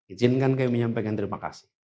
izinkan kami menyampaikan terima kasih